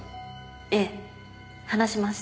ええ話しました。